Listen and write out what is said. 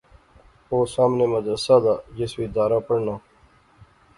اوہ سامنے مدرسہ زا جس اچ دارا پڑھنا